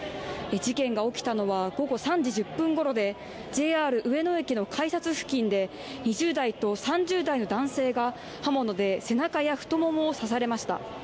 事件が起きたのは午後３時１０分ごろでＪＲ上野駅の改札付近で２０代と３０代の男性が刃物で背中や太ももを刺されました。